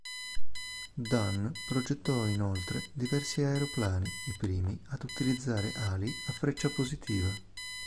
Dunne progettò inoltre diversi aeroplani, i primi ad utilizzare ali a freccia positiva.